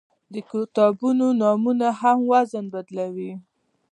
د کتاب نومونه هم وزن بدلوي.